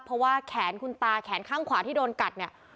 เพราะว่าแขนคุณตาแขนข้างขวาที่โดนกัดเนี่ย